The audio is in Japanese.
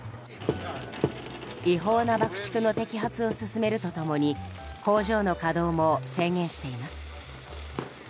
違法な爆竹の摘発を進めると共に工場の稼働も制限しています。